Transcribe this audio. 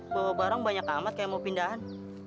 bawa barang banyak amat kayak mau pindahan